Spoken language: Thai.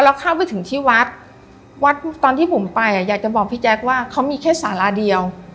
แล้วเข้าไปถึงที่วัดวัดตอนที่ผมไปอ่ะอยากจะบอกพี่แจ๊คว่าเขามีแค่สาราเดียว